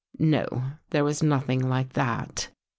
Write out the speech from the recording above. No, there was nothing like that."